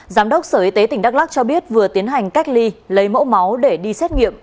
giám đốc sở y tế tỉnh đắk lắc cho biết vừa tiến hành cách ly lấy mẫu máu để đi xét nghiệm